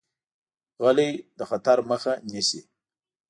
غلی، د خطر مخه نیسي.